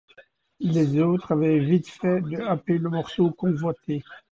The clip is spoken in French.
Les autres avaient vite fait de happer le morceau convoité.